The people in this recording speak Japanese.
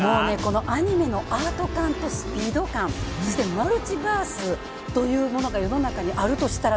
アニメのアート感とスピード感、そしてマルチバースというものが世の中にあるとしたら？